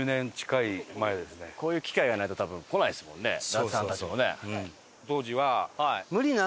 伊達さんたちもね。